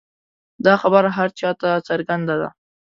دا خبره هر چا ته څرګنده ده.